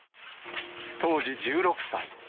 当時１６歳。